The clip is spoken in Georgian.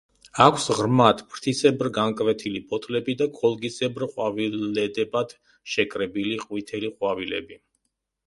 აქვს ღრმად, ფრთისებრ განკვეთილი ფოთლები და ქოლგისებრ ყვავილედებად შეკრებილი ყვითელი ყვავილები.